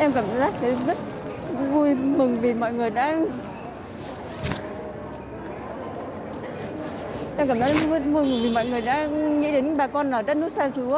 em cảm giác rất vui mừng vì mọi người đã nghĩ đến bà con ở đất nước xa xứ